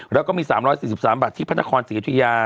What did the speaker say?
แล้วก็มี๓๔๓บาทที่พระนครศรีอยุธยา